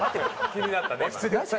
気になったね